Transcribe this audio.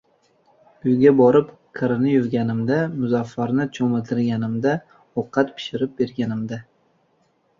Uyga borib, kirini yuvganimda, Muzaffarni cho‘miltirganimda, ovqat pi- shirib berganimda.